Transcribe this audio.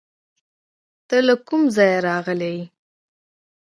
ته له کوم ځایه راغلې؟